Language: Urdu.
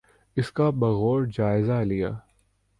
اس کا بغور جائزہ لیا۔